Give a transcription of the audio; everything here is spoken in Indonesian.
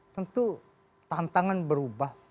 tentu tantangan berubah